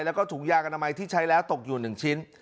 แล้วก็ถุงยางอนามัยที่ใช้แล้วตกอยู่๑ชิ้น